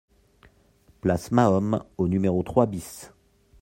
Place Mahomme au numéro trois BIS